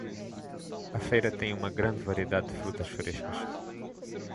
A feira tem uma grande variedade de frutas frescas.